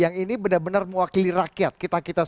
yang ini benar benar mewakili rakyat kita